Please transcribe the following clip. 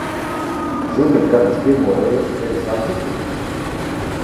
Zini, kad es pirmo reizi tevi satiku?